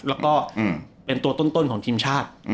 แล้วก็เป็นตัวต้นของทีมชาติ